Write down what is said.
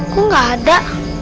kok gak ada